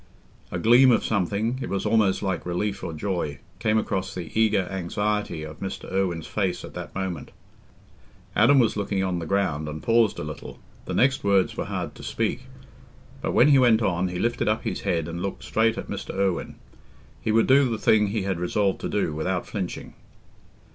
A gleam of something—it was almost like relief or joy—came across the eager anxiety of Mr. Irwine's face at that moment. Adam was looking on the ground, and paused a little: the next words were hard to speak. But when he went on, he lifted up his head and looked straight at Mr. Irwine. He would do the thing he had resolved to do, without flinching.